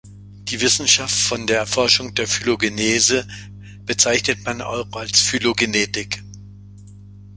Die Wissenschaft von der Erforschung der Phylogenese bezeichnet man auch als Phylogenetik.